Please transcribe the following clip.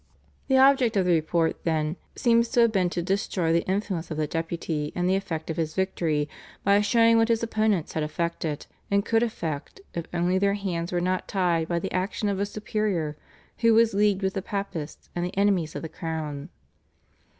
The object of the report, then, seems to have been to destroy the influence of the Deputy and the effect of his victory, by showing what his opponents had effected and could effect if only their hands were not tied by the action of a superior who was leagued with the Papists and the enemies of the crown.